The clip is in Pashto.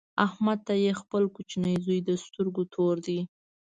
احمد ته یې خپل کوچنۍ زوی د سترګو تور دی.